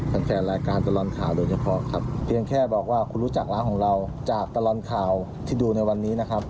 แฟนแฟนรายการตลอดข่าวโดยเฉพาะครับเพียงแค่บอกว่าคุณรู้จักร้านของเราจากตลอดข่าวที่ดูในวันนี้นะครับ